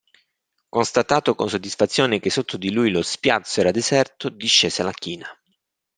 Constatato con soddisfazione che sotto di lui lo spiazzo era deserto, discese la china.